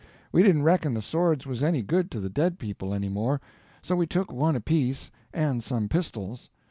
We didn't reckon the swords was any good to the dead people any more, so we took one apiece, and some pistols.